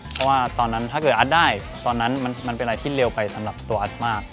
เพราะว่าตอนนั้นถ้าเกิดอัดได้ตอนนั้นมันเป็นอะไรที่เร็วไปสำหรับตัวอัสมาก